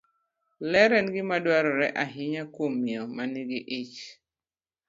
Ler en gima dwarore ahinya kuom miyo ma nigi ich.